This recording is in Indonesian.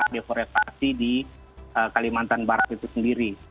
deforestasi di kalimantan barat itu sendiri